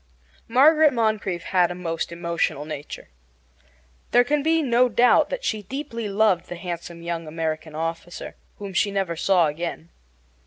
Margaret Moncrieffe had a most emotional nature. There can be no doubt that she deeply loved the handsome young American officer, whom she never saw again.